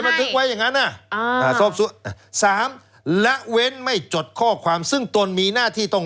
ทึกไว้อย่างนั้นสอบสวนสามละเว้นไม่จดข้อความซึ่งตนมีหน้าที่ต้อง